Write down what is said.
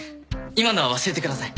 今のは忘れてください。